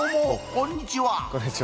こんにちは。